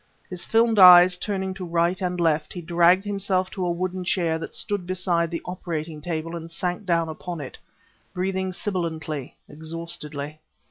His filmed eyes turning to right and left, he dragged himself to a wooden chair that stood beside the operating table and sank down upon it, breathing sibilantly, exhaustedly.